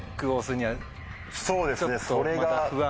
そうですねそれが。